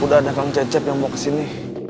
udah ada kang cecep yang mau kesini